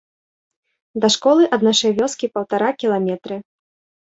Да школы ад нашай вёскі паўтара кіламетры.